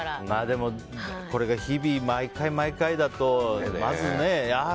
でも、これが日々毎回毎回だとまず、ああ